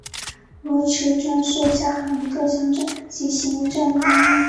罗溪镇是下辖的一个乡镇级行政单位。